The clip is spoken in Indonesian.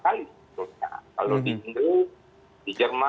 kalau di indonesia di jerman di amerika itu masih jauh